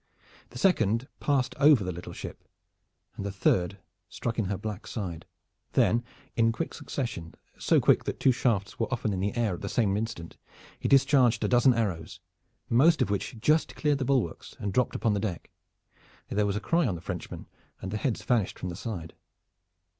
The second passed over the little ship, and the third struck in her black side. Then in quick succession so quick that two shafts were often in the air at the same instant he discharged a dozen arrows, most of which just cleared the bulwarks and dropped upon the deck. There was a cry on the Frenchman, and the heads vanished from the side.